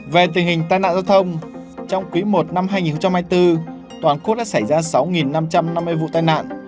về tình hình tai nạn giao thông trong quý i năm hai nghìn hai mươi bốn toàn quốc đã xảy ra sáu năm trăm năm mươi vụ tai nạn